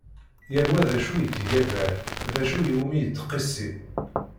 Yal wa d acu yettgabar, d acu iwumi yettqissi.